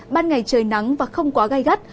ban ngày trời nắng và không quá gai gắt